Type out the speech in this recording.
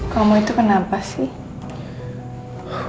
kamu itu kenapa sih